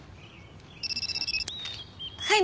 はい